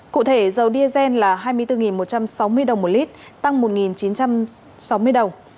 cụ thể dầu diesel là hai mươi bốn một trăm sáu mươi đồng một lít tăng một chín trăm sáu mươi đồng